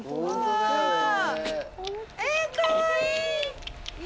えっかわいい！